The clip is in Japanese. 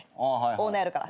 オーナーやるから。